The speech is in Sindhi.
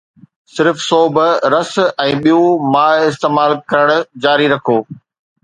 صرف سوپ، رس، ۽ ٻيون مائع استعمال ڪرڻ جاري رکو.